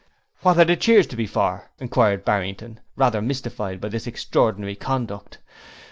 'What are the cheers to be for?' inquired Barrington, rather mystified by this extraordinary conduct.